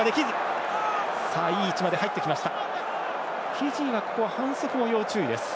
フィジーは反則も要注意です。